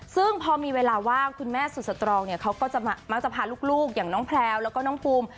ซึ่งพอมีเวลาว่างคุณแม่สุดสตรองเนี่ยเขาก็จะมักจะพาลูกอย่างน้องแพลวแล้วก็น้องภูมิ